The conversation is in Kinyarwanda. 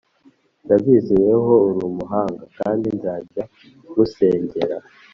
ndabizi weho urumuhanga kandi nzajya ngusengera